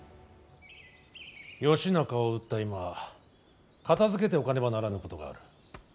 義仲を討った今片づけておかねばならぬことがある。